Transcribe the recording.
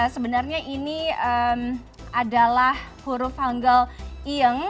sebenarnya ini adalah huruf hanggu iyang